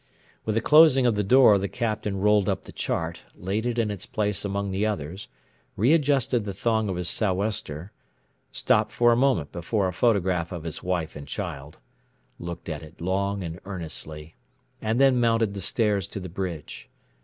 With the closing of the door the Captain rolled up the chart, laid it in its place among the others, readjusted the thong of his so'wester, stopped for a moment before a photograph of his wife and child, looked at it long and earnestly, and then mounted the stairs to the bridge.